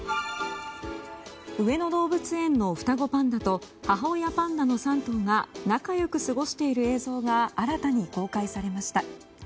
上野動物園の双子パンダと母親パンダの３頭が仲良く過ごしている映像が新たに公開されました。